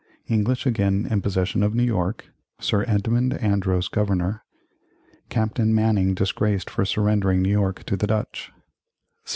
English again in possession of New York Sir Edmund Andros Governor Captain Manning disgraced for surrendering New York to the Dutch 1678.